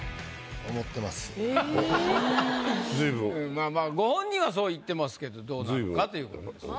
まあまあご本人はそう言ってますけどどうなのかという事ですよね。